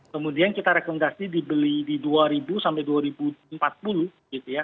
kemudian kita rekomendasi dibeli di rp dua sampai rp dua empat puluh gitu ya